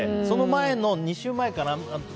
その前の２周前かな